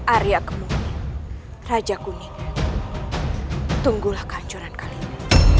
arya kemungkinan raja kuning tunggulah kehancuran kali ini